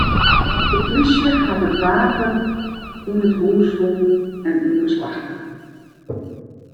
De plysje hat it wapen yn it hús fûn en yn beslach naam.